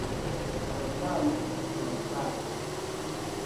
Kaj same kun sako.